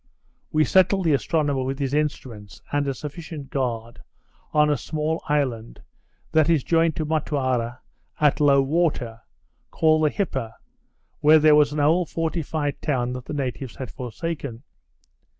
We settled the astronomer with his instruments, and a sufficient guard, on a small island, that is joined to Motuara at low water, called the Hippa, where there was an old fortified town that the natives had forsaken.